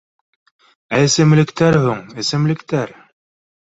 Ә эсемлектәр һуң, эсемлектәр